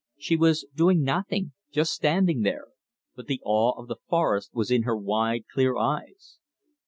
She was doing nothing just standing there but the awe of the forest was in her wide, clear eyes.